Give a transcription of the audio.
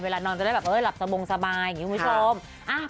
นอนจะได้แบบหลับสบงสบายอย่างนี้คุณผู้ชม